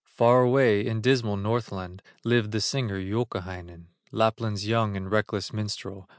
Far away in dismal Northland, Lived the singer, Youkahainen, Lapland's young and reckless minstrel.